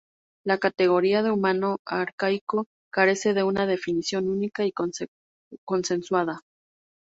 La categoría de humano arcaico carece de una definición única y consensuada.